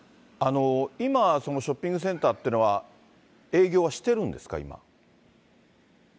今、そのショッピングセンターっていうのは営業はしているんですか、今。